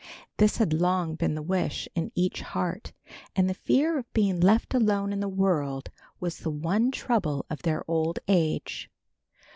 This had long been the wish in each heart, and the fear of being left alone in the world was the one trouble of their old age.